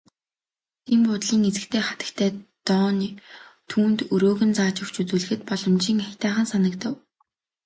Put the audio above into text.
Дэн буудлын эзэгтэй хатагтай Дооне түүнд өрөөг нь зааж өгч үзүүлэхэд боломжийн аятайхан санагдав.